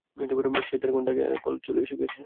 সে দেড় ঘনটা আগে কলেজে চলে গেছে।